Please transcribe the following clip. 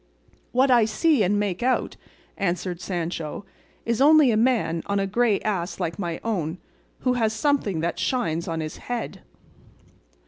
"What I see and make out," answered Sancho, "is only a man on a grey ass like my own, who has something that shines on his head."